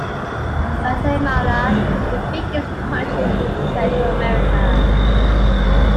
Guatemala is the biggest country in Central America.